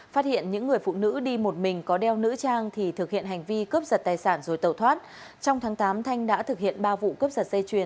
phát hiện những người phụ nữ đi một mình có đeo nữ trang thì thực hiện hành vi cướp giật tài sản rồi tẩu thoát